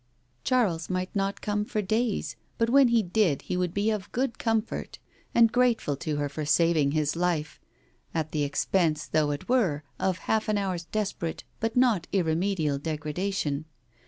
Charles might not come for days, but when he did he would be of good comfort, and grateful to her for saving his life at the expense though it were of half an hour's desperate but not irremediable degradation.